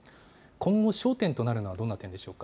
今後、焦点となるのはどんな点でしょうか。